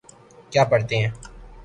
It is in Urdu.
کیا پڑھتے ہیں